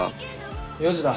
４時だ。